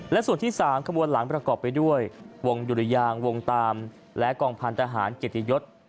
และส่วนที่๓ขบวนหลังประกอบไปด้วยวงดุริยางวงตามและกองพันธหารเกียรติยศ